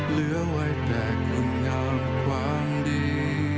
เหลือไว้แต่คุณงามความดี